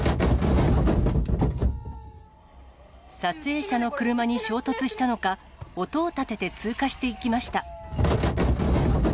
撮影者の車に衝突したのか、音を立てて通過していきました。